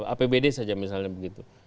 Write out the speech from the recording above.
apbd saja misalnya begitu